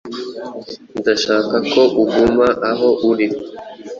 Ndashaka ko uguma aho uri.